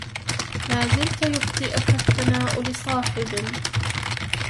لا زلت يخطئك الثناء لصاحب